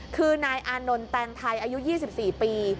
คือนายอานนท์แตงไทยอายุ๒๔ปี